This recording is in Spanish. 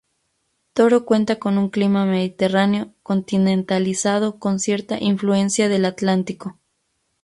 Toro cuenta con un clima mediterráneo continentalizado con cierta influencia del Atlántico.